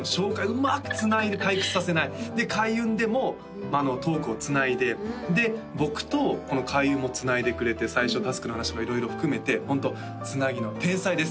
うまくつないで退屈させないで開運でもトークをつないでで僕とこの開運もつないでくれて最初Ｔａｓｋの話も色々含めてホントつなぎの天才です